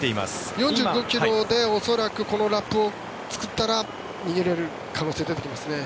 ４５ｋｍで恐らくこのラップを作ったら逃げられる可能性が出てきますね。